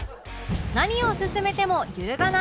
何を勧めても揺るがない